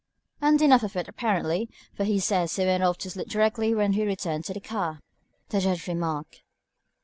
"And enough of it apparently, for he says he went off to sleep directly he returned to the car," the Judge remarked.